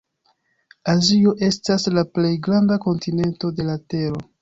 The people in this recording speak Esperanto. Azio estas la plej granda kontinento de la tero.